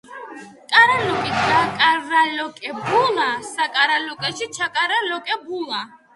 კარალიოკი გაკარალიოკებულა, საკარალიოკეში ჩაკარალიოკებულა.